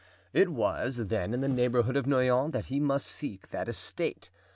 It was, then, in the neighborhood of Noyon that he must seek that estate.